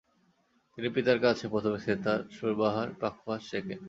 তিনি পিতার কাছে প্রথমে সেতার, সুরবাহার, পাখোয়াজ শেখেন।